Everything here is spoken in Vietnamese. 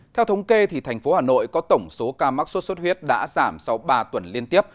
theo thống kê thành phố hà nội có tổng số ca mắc sốt xuất huyết đã giảm sau ba tuần liên tiếp